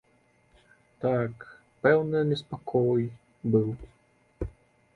Так, пэўны неспакой быў.